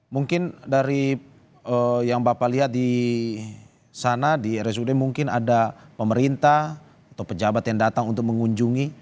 mungkin dari yang bapak lihat di sana di rsud mungkin ada pemerintah atau pejabat yang datang untuk mengunjungi